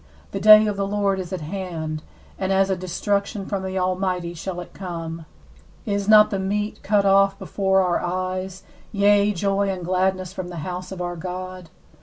for the day of the Lord is at hand, and as a destruction from the Almighty shall it come. 16Is not the meat cut off before our eyes, yea, joy and gladness from the house of our God?